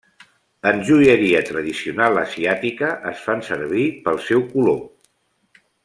En joieria tradicional asiàtica es fan servir pel seu color.